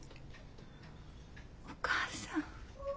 お母さん。